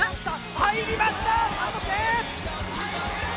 入りました！